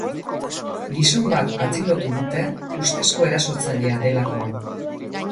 Gizon bat atxilotu dute, ustezko erasotzailea delakoan.